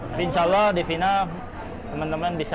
tapi insya allah di fina teman teman bisa